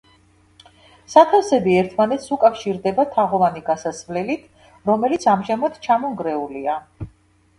სათავსები ერთმანეთს უკავშირდება თაღოვანი გასასვლელით, რომელიც ამჟამად ჩამონგრეულია.